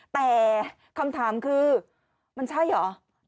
แต่คำถามคือมันใช่เหรอ